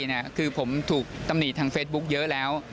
คือผมถูกตำหนิทางเฟซบุ๊คเยอะแล้ว